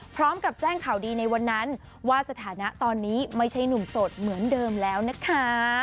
พร้อมกับแจ้งข่าวดีในวันนั้นว่าสถานะตอนนี้ไม่ใช่หนุ่มโสดเหมือนเดิมแล้วนะคะ